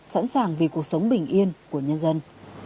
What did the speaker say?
sẵn sàng vì cuộc sống bình yên của nhân dân